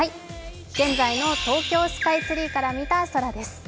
現在の東京スカイツリーから見た空です。